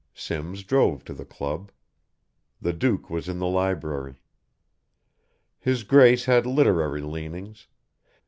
Simms drove to the Club. The Duke was in the library. His Grace had literary leanings.